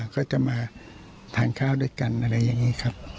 ก็จะมาทานข้าวด้วยกันอะไรอย่างนี้ครับ